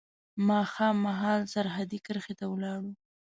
ماښام مهال سرحدي کرښې ته ولاړو.